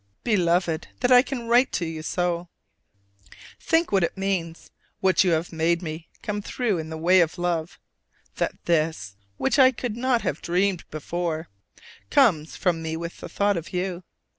Beloved, that I can write so to you, think what it means; what you have made me come through in the way of love, that this, which I could not have dreamed before, comes from me with the thought of you!